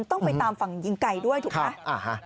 ต้องไปตามฝั่งยิงไก่ด้วยถูกไหม